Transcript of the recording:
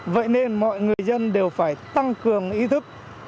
vậy nên mọi người dân đều phải tăng cường ý thức